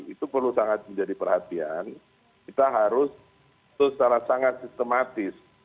itu perlu sangat menjadi perhatian kita harus secara sangat sistematis